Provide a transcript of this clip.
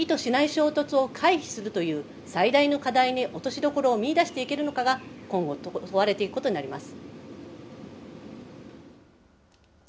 そうしたやり取りを通して、台湾を巡る意図しない衝突を回避するという、最大の課題に落としどころを見いだしていけるのかが今後、問われていくことになります。